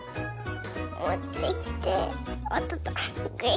もってきておっとっと。